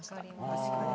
確かに。